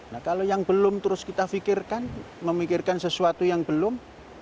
nah kalau yang belum terus kita fikirkan memikirkan sesuatu yang belum